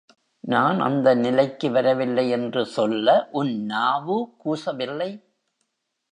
நான் அந்த நிலைக்கு வரவில்லை யென்று சொல்ல உன் நாவு கூசவில்லை?